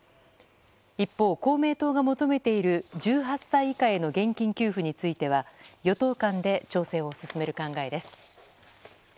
一方、公明党が求めている１８歳以下への現金給付については与党間で調整を進める考えです。